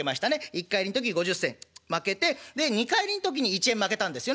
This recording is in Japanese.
一荷入りの時５０銭まけてで二荷入りの時に１円まけたんですよね。